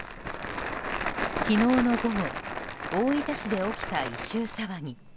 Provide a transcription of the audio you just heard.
昨日の午後、大分市で起きた異臭騒ぎ。